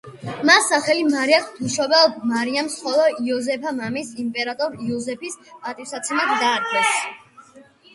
მას სახელი მარია ღვთისმშობელ მარიამის, ხოლო იოზეფა მამის, იმპერატორ იოზეფის პატივსაცემად დაარქვეს.